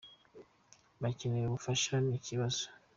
bakeneye ubufasha ni ikibazo.”